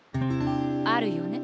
あるよね。